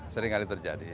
sering kali terjadi